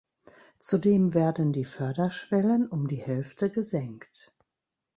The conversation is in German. Zudem werden die Förderschwellen um die Hälfte gesenkt.